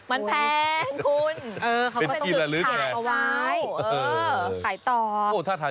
มันเป็นจุดขายไงใครมาเขาโอ้โหน่าสนใจ